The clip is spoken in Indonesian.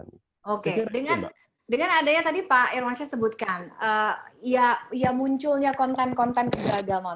oke dengan adanya tadi pak irwansyah sebutkan ya munculnya konten konten keberagaman